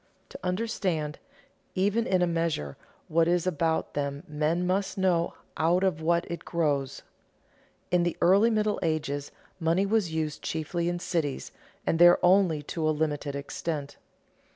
To understand, even in a measure, what is about them men must know out of what it grows. In the early Middle Ages money was used chiefly in cities, and there only to a limited extent.